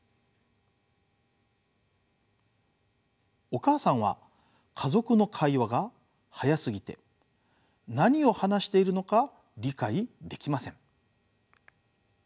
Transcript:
お母さんは家族の会話が速すぎて何を話しているのか理解できません。